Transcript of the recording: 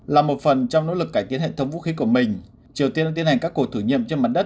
là một phần trong nỗ lực cải tiến hệ thống vũ khí của mình triều tiên đang tiến hành các cuộc thử nghiệm trên mặt đất